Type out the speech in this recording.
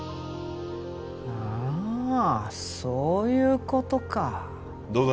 ああそういうことかどうだ？